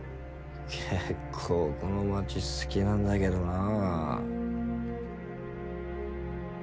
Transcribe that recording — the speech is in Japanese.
結構この街好きなんだけどなぁ。